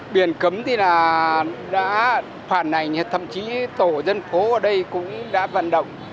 biển cấm thì là đã phản ảnh thậm chí tổ dân phố ở đây cũng đã vận động